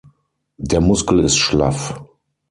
Der Muskel ist schlaff.